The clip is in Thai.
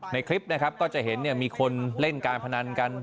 ในคลิปนะครับก็จะเห็นมีคนเล่นการพนันกัน